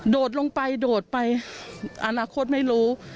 ดลงไปโดดไปอนาคตไม่รู้